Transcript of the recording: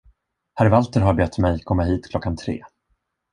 Herr Walter har bett mig komma hit klockan tre.